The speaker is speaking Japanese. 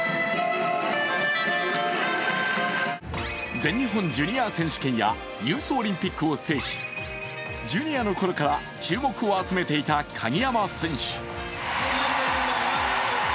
全日本ジュニア選手権やユースオリンピックを制しジュニアのころから注目を集めていた鍵山選手。